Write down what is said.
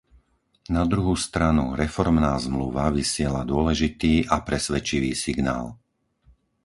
Na druhú stranu, Reformná zmluva vysiela dôležitý a presvedčivý signál.